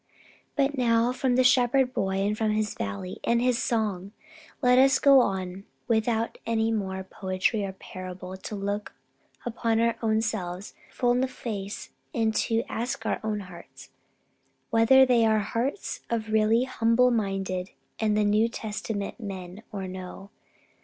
But, now, from the shepherd boy and from his valley and his song, let us go on without any more poetry or parable to look our own selves full in the face and to ask our own hearts whether they are the hearts of really humble minded and New Testament men or no.